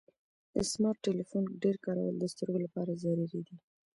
د سمارټ ټلیفون ډیر کارول د سترګو لپاره ضرري دی.